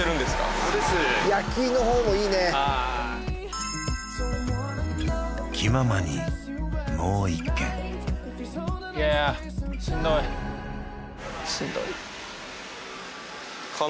・そうです焼きのほうもいいねああ気ままにもう一軒いやしんどいしんどい